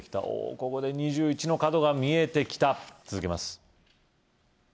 ここで２１の角が見えてきた続けます